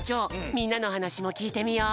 みんなのはなしもきいてみよう！